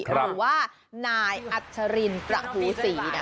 หรือว่านายอัชรินประถูศรีนะ